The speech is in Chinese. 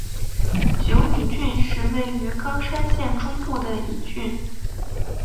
久米郡是位于冈山县中部的一郡。